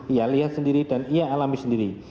ia lihat sendiri dan ia alami sendiri